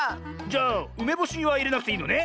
じゃあうめぼしはいれなくていいのね？